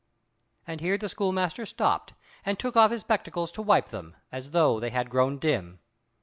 And here the schoolmaster stopped, and took off his spectacles to wipe them, as though they had grown dim.